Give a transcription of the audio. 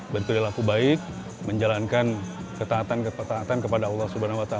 berpilih laku baik menjalankan ketahatan ketahatan kepada allah swt